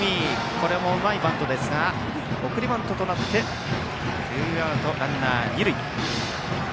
これもうまいバントですが送りバントとなってツーアウトランナー、二塁。